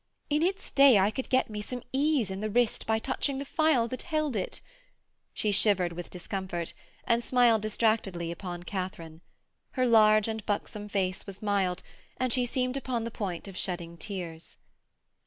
'In its day I could get me some ease in the wrist by touching the phial that held it.' She shivered with discomfort, and smiled distractedly upon Katharine. Her large and buxom face was mild, and she seemed upon the point of shedding tears.